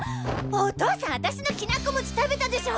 お父さん私のきな粉餅食べたでしょ。